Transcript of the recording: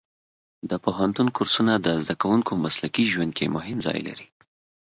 د پوهنتون کورسونه د زده کوونکو مسلکي ژوند کې مهم ځای لري.